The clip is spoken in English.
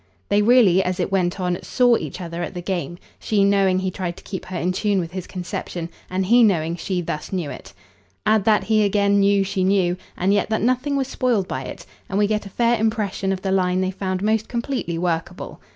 They really as it went on SAW each other at the game; she knowing he tried to keep her in tune with his conception, and he knowing she thus knew it. Add that he again knew she knew, and yet that nothing was spoiled by it, and we get a fair impression of the line they found most completely workable.